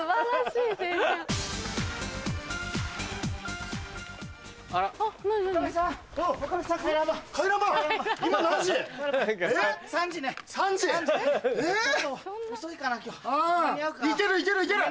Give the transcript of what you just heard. いけるいけるいける！